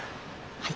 はい。